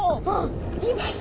いました